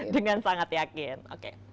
dengan sangat yakin oke